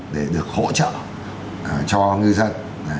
để được hỗ trợ cho ngư dân